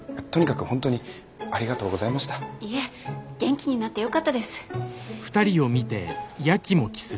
元気になってよかったです。